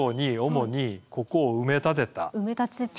埋め立て地